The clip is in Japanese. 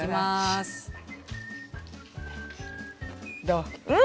どう？